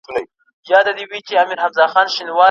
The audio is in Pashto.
که زما منۍ د دې لولۍ په مینه زړه مه تړی